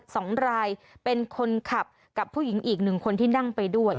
สองรายเป็นคนขับกับผู้หญิงอีกหนึ่งคนที่นั่งไปด้วย